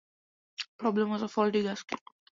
The problem was a faulty gasket.